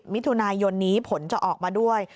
มิถุนายนนี้ผลจะออกมาด้วย